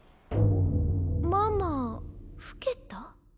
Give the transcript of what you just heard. ママ老けた？